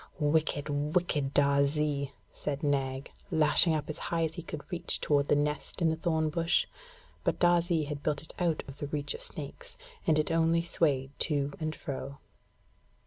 'Wicked, wicked Darzee!' said Nag, lashing up as high as he could reach toward the nest in the thorn bush; but Darzee had built it out of reach of snakes, and it only swayed to and fro.